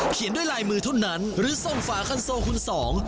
เขียนด้วยลายมือเท่านั้นหรือส่งฝาคันโซคุณสอง